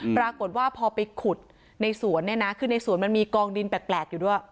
ปรากฏว่าพอไปขุดในสวนเนี่ยนะคือในสวนมันมีกองดินแปลกอยู่ด้วย